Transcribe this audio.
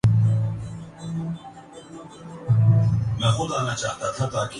حکومت کا chairman F B کی تبدیلی پر غور